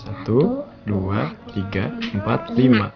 satu dua tiga empat lima